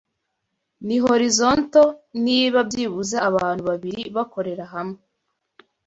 Ni horizontal niba byibuze abantu babiri bakorera hamwe